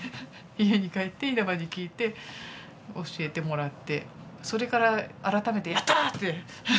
家に帰って稲葉に聞いて教えてもらってそれから改めてヤッター！って。